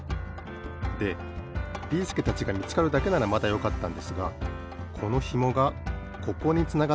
でビーすけたちがみつかるだけならまだよかったんですがこのひもがここにつながってるんですよね。